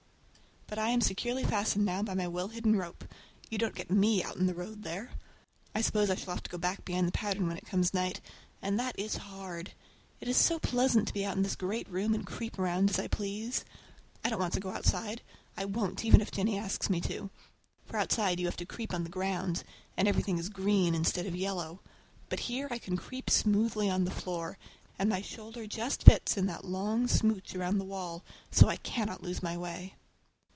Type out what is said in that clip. But I am securely fastened now by my well hidden rope—you don't get me out in the road there! I suppose I shall have to get back behind the pattern when it comes night, and that is hard! It is so pleasant to be out in this great room and creep around as I please! I don't want to go outside. I won't, even if Jennie asks me to. For outside you have to creep on the ground, and everything is green instead of yellow. But here I can creep smoothly on the floor, and my shoulder just fits in that long smooch around the wall, so I cannot lose my way.